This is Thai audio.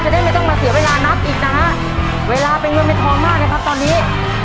ได้ไม่ต้องมาเสียเวลานับอีกนะฮะเวลาเป็นเงินเป็นทองมากนะครับตอนนี้